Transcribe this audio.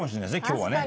今日はね。